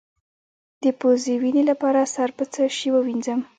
د پوزې وینې لپاره سر په څه شي ووینځم؟